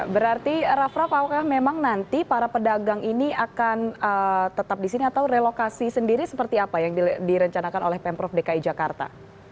berarti raff raff apakah memang nanti para pedagang ini akan tetap di sini atau relokasi sendiri seperti apa yang direncanakan oleh pemprov dki jakarta